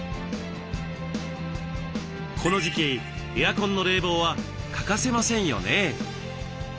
この時期エアコンの冷房は欠かせませんよね。